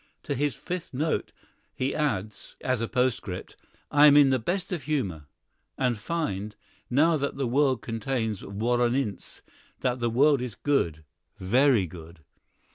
To his fifth note he adds, as a postscript, "I am in the best of humor~.~.~. and find, now that the world contains Woronince, that the world is good, very good!"